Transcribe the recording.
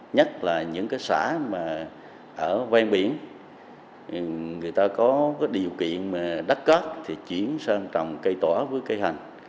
nhất là những xã ở bên biển người ta có điều kiện đắt cắt thì chuyển sang trồng cây tỏa với cây hành